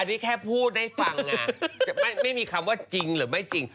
อันนี้แค่พูดให้ฟังจะไม่มีคำว่าจริงหรือไม่จริง